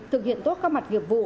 thực hiện tốt các mặt nghiệp vụ